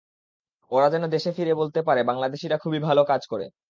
ওরা যেন দেশে ফিরে বলতে পারে বাংলাদেশিরা খুবই ভালো কাজ করে।